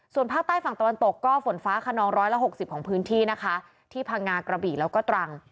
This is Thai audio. ส่วนภาคใต้ฝั่งตะวันตกก็ฝนฟ้าขนองร้อยละ๖๐ของพื้นที่นะคะที่พังงากระบี่แล้วก็ตรัง